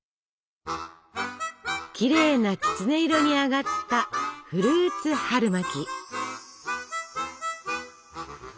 きれいなきつね色に揚がったフルーツ春巻き。